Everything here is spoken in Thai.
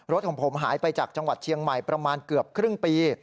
รถของผมหายไปจากจังหวัดเชียงใหม่ประมาณเกือบครึ่งปี